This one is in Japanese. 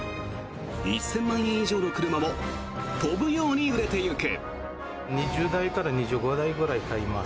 １０００万円以上の車も飛ぶように売れていく。